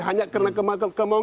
hanya karena kemauan